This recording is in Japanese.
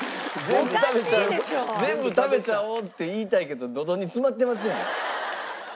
「全部食べちゃおう」って言いたいけどのどに詰まってますやん。